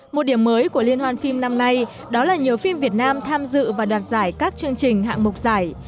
một điểm mới của liên hoan phim năm nay đó là nhiều phim việt nam tham dự và đoạt giải các chương trình hạng mục giải